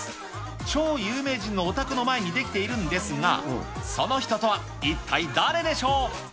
超有名人のお宅の前に出来ているんですが、その人とは一体誰でしょう。